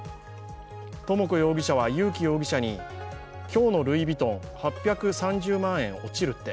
智子容疑者は佐紀容疑者に今日のルイヴィトン８３０万円落ちるって！！